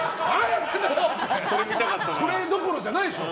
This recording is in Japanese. ってそれどころじゃないでしょ。